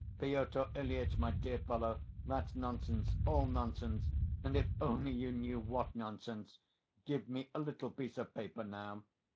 "Pyotr Ilyitch, my dear fellow, that's nonsense, all nonsense, and if only you knew what nonsense! Give me a little piece of paper now."